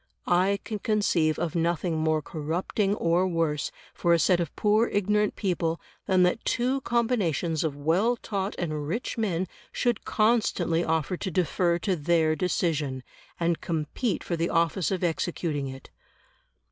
I can conceive of nothing more corrupting or worse for a set of poor ignorant people than that two combinations of well taught and rich men should constantly offer to defer to their decision, and compete for the office of executing it.